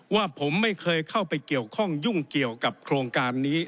ว่าผมไม่เคยเข้าไปเกี่ยวข้องยุ่งเกี่ยวกับโครงการนี้